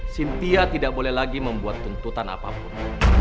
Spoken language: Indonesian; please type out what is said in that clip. cynthia tidak boleh lagi membuat tuntutan apapun